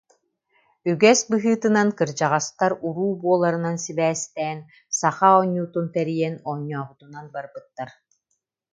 Үгэс быһыытынан кырдьаҕастар уруу буоларынан сибээстээн, саха оонньуутун тэрийэн оонньообутунан барбыттар